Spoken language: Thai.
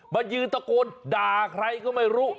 มายืนตะโกนด่าใครก็ไม่รู้